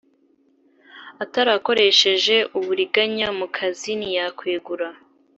atarakoresheje uburiganya mu kazi ntiyakeguye